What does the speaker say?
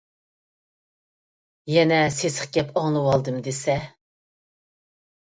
يەنە سېسىق گەپ ئاڭلىۋالدىم دېسە.